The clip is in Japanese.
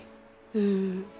うん。